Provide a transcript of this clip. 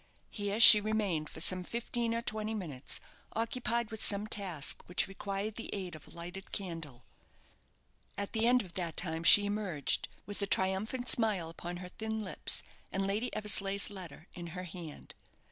Here she remained for some fifteen or twenty minutes, occupied with some task which required the aid of a lighted candle. At the end of that time she emerged, with a triumphant smile upon her thin lips, and Lady Eversleigh's letter in her hand.